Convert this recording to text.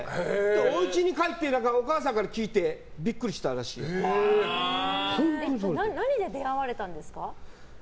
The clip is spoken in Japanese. おうちに帰ってお母さんから聞いて何で出会われたんですか？